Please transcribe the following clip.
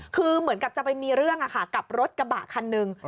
คือเหมือนกับจะไปมีเรื่องกับรถกระบะคันหนึ่ง